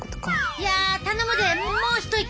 いや頼むでもう一息。